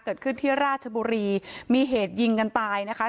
เกิดขึ้นที่ราชบุรีมีเหตุยิงกันตายนะคะ